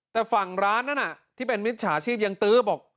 แต่ฝั่งร้านนั้นที่เป็นมิจฉาชีพยังตื้อบอก